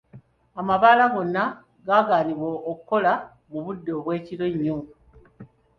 Amabbaala gonna gaaganibwa okukola mu budde obw'ekiro ennyo.